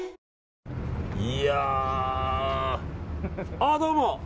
あ、どうも！